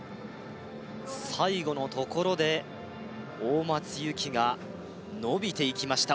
最後のところで大松由季が伸びていきました